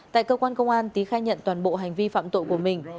tại cơ quan công an tý khai nhận toàn bộ hành vi phạm tội của mình